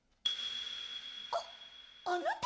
ああなた